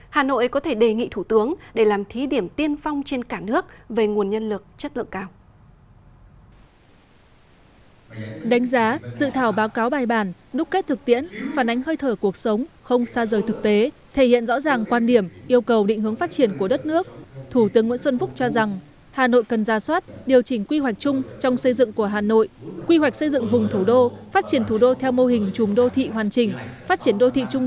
hà nội có thể đề nghị thủ tướng để làm thí điểm tiên phong trên cả nước về nguồn nhân lực chất lượng cao